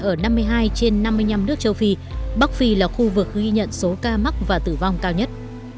ở năm mươi hai trên năm mươi năm nước châu phi bắc phi là khu vực ghi nhận số ca mắc và tử vong cao nhất